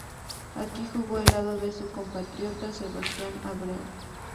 Aquí jugó al lado de su compatriota Sebastián Abreu.